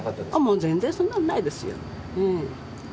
もう全然、そんなのないですよ。